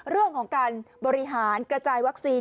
เรื่องของการบริหารกระจายวัคซีน